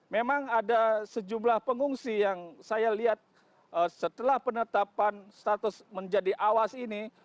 memang ada sejumlah pengungsi yang saya lihat setelah penetapan status menjadi awas ini